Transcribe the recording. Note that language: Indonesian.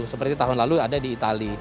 seperti tahun lalu ada di itali